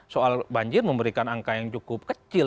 soal banjir memberikan angka yang cukup kecil